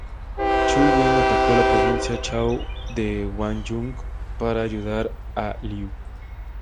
Chu Wen atacó la provincia Chao de Wang Jung para ayudar a Liu.